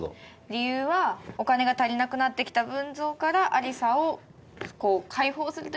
理由はお金が足りなくなってきた文蔵からアリサを解放するというか連れ出すため。